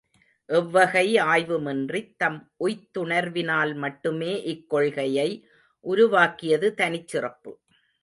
எவ்வகை ஆய்வுமின்றித் தம் உய்த்துணர்வினால் மட்டுமே இக்கொள்கையை உருவாக்கியது தனிச் சிறப்பு.